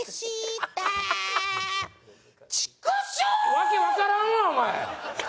訳わからんわお前！